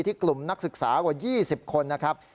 กลุ่มนักศึกษากว่า๒๐คนนะครับ